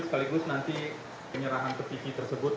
sekaligus nanti penyerahan ke vv tersebut